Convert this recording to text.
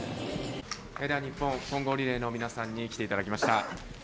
日本、混合リレーの皆さんに来ていただきました。